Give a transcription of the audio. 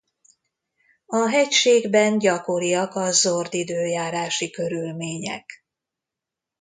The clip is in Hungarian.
A hegységben gyakoriak a zord időjárási körülmények.